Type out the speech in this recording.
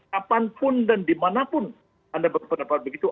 kapanpun dan dimanapun anda berpendapat begitu